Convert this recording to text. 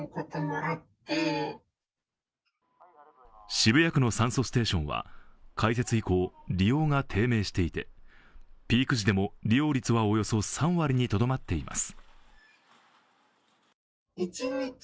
渋谷区の酸素ステーションは開設以降、利用が低迷していて、ピーク時でも利用率はおよそ３割にとどまっています。